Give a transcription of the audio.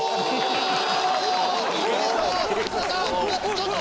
ちょっと！